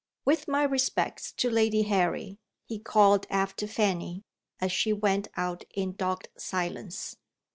"With my respects to Lady Harry," he called after Fanny, as she went out in dogged silence.